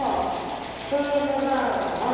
「チーズバーガー」。